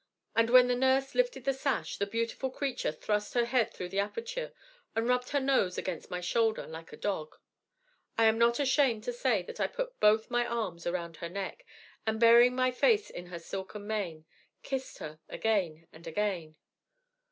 And when the nurse lifted the sash, the beautiful creature thrust her head through the aperture, and rubbed her nose against my shoulder like a dog. I am not ashamed to say that I put both my arms around her neck, and, burying my face in her silken mane, kissed her again and again.